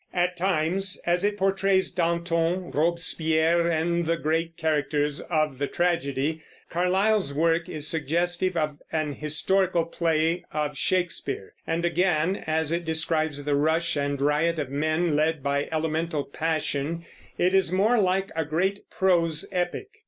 At times, as it portrays Danton, Robespierre, and the great characters of the tragedy, Carlyle's work is suggestive of an historical play of Shakespeare; and again, as it describes the rush and riot of men led by elemental passion, it is more like a great prose epic.